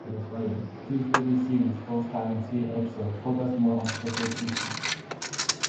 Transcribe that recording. Two further series, both having three episodes, focussed more on specific issues.